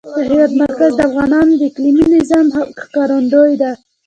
د هېواد مرکز د افغانستان د اقلیمي نظام ښکارندوی ده.